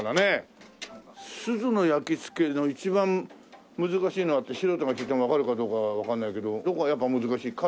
錫の焼き付けの一番難しいのは？って素人が聞いてもわかるかどうかわからないけどどこがやっぱ難しい？角？